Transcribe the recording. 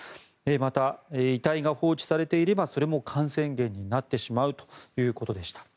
また、遺体が放置されていればそれも感染源になってしまうということでした。